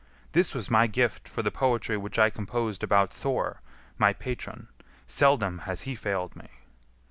this was my gift for the poetry which I composed about Thor, my patron; seldom has he failed me."